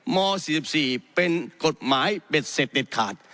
ม๔๔เป็นกฎหมายเบ็ดเสร็จเด็ดขาด